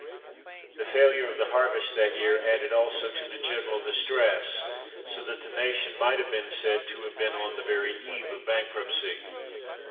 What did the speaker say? The failure of the harvest that year added also to the general distress so that the nation might have been said to have been on the very eve of bankruptcy.